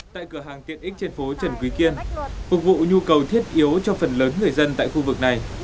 tại cửa hàng tiện ích trên phố trần quý kiên phục vụ nhu cầu thiết yếu cho phần lớn người dân tại khu vực này